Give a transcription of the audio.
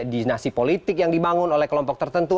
dinasti politik yang dibangun oleh kelompok tertentu